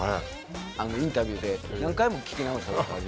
インタビューで何回も聞き直したことありますけどね。